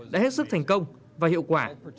đã hết sức thành công và hiệu quả